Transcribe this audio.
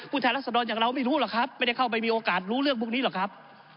แทนรัศดรอย่างเราไม่รู้หรอกครับไม่ได้เข้าไปมีโอกาสรู้เรื่องพวกนี้หรอกครับ